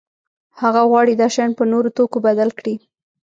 هغه غواړي دا شیان په نورو توکو بدل کړي.